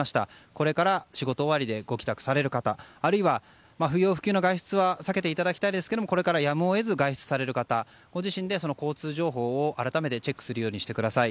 これから仕事終わりでご帰宅される方あるいは不要不急の外出は避けていただきたいですがこれからやむを得ず外出される方はご自身で交通情報を改めてチェックするようにしてください。